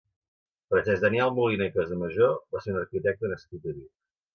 Francesc Daniel Molina i Casamajó va ser un arquitecte nascut a Vic.